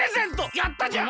やったじゃん！